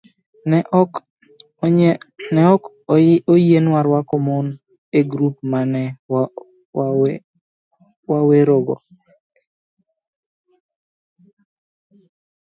Ne ok oyienwa rwako mon e grup ma ne wawerego.